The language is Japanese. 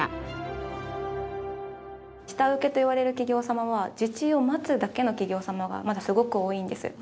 下請けといわれる企業様は受注を待つだけの企業様がまだすごく多いんです。